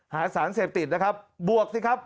หาสารเสพติดนะครับบวกสิครับ